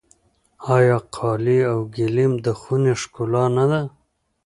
آیا قالي او ګلیم د خونې ښکلا نه ده؟